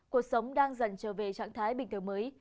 cuộc sống đang dần trở về trạng thái bình thường mới